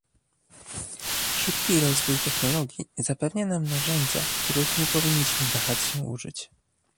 Szybki rozwój technologii zapewnia nam narzędzia, których nie powinniśmy wahać się użyć